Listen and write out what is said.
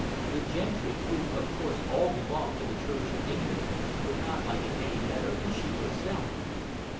The gentry, who of course all belonged to the Church of England, would not like it any better than she herself.